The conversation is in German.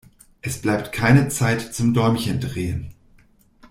Es bleibt keine Zeit zum Däumchen drehen.